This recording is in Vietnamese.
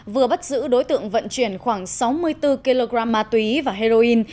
vừa bắt giữ đối tượng vận chuyển khoảng sáu mươi bốn kg ma túy và heroin